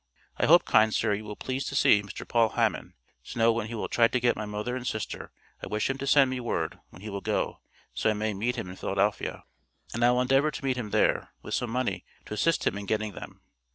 I hope kind sir you will please to see Mr. Paul Hammon, to know when he will try to get my Mother and Sister I wish him to send me word when he will go so I may meet him in Philadelphia. And I will Endevor to meet him there With some money to assist him in getting them.